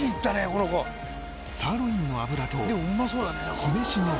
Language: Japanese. この子」サーロインの脂と酢飯のハーモニー